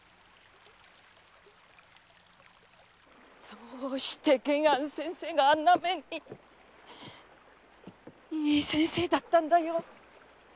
どうして玄庵先生があんな目に⁉いい先生だったんだよ。